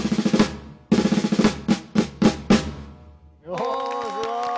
おぉすごい。